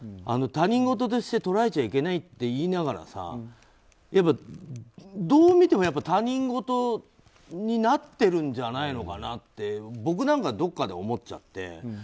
他人事として捉えちゃいけないって言いながらさどう見ても、他人事になってるんじゃないのかなって僕なんかどっかで思っちゃって。